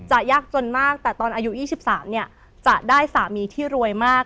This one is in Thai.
จะยากจนมากแต่ตอนอายุยี่สิบสามเนี่ยจะได้สามีที่รวยมาก